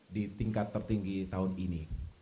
di tingkat tertinggi tahun ini